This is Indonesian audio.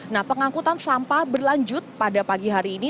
nah pengangkutan sampah berlanjut pada pagi hari ini